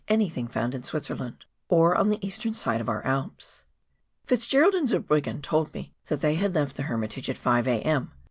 281 anythmg found in Switzerland, or on the eastern side of our Alps. Fitzgerald and Zurbriggen told me that they left the Her mitage at 5 A.M.